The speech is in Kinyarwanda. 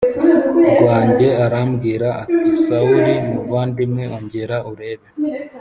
Rwanjye arambwira ati sawuli muvandimwe ongera urebe